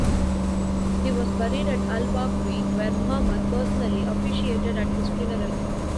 He was buried at Al-Baqi', where Muhammad personally officiated at his funeral.